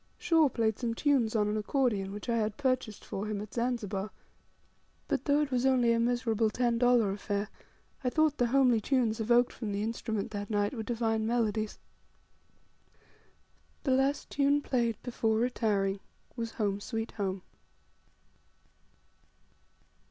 Shaw played some tunes on an accordion which I had purchased for him at Zanzibar; but, though it was only a miserable ten dollar affair, I thought the homely tunes evoked from the instrument that night were divine melodies. The last tune played before retiring was "Home, sweet Home."